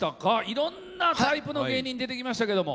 いろんなタイプの芸人出てきましたけど。